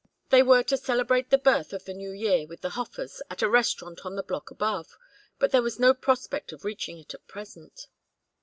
They were to celebrate the birth of the New Year with the Hofers at a restaurant on the block above, but there was no prospect of reaching it at present.